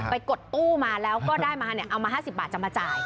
กดตู้มาแล้วก็ได้มาเอามา๕๐บาทจะมาจ่าย